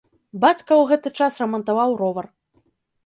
Бацька ў гэты час рамантаваў ровар.